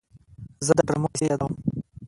زه د ډرامو کیسې یادوم.